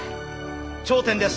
頂点です。